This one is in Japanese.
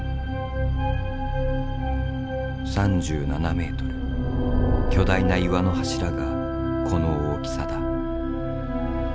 ３７ｍ巨大な岩の柱がこの大きさだ。